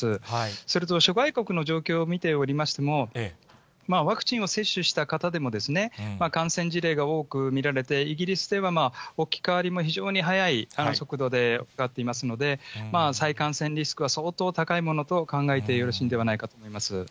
それと、諸外国の状況を見ておりましても、ワクチンを接種した方でも、感染事例が多く見られて、イギリスでは置き換わりも非常に速い速度で広がっていますので、再感染リスクは相当高いものと考えてよろしいんではないかと思い